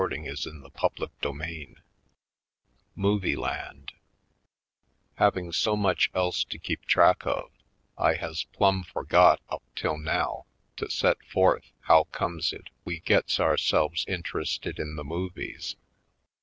Poindexter^ Colored CHAPTER IX Movie Land HAVING so much else to keep track of I has plumb forgot up till now to set forth how comes it we gets ourselves interested in the movies.